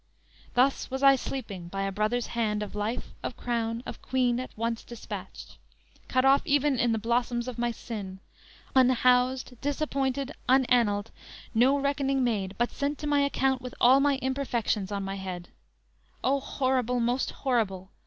Thus was I sleeping, by a brother's hand, Of life, of crown, of queen, at once dispatched; Cut off even in the blossoms of my sin, Unhoused, disappointed, unaneled; No reckoning made, but sent to my account With all my imperfections on my head; O, horrible! most horrible!